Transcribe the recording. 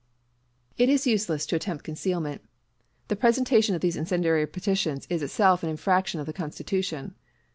It is useless to attempt concealment. The presentation of these incendiary petitions is itself an infraction of the Constitution.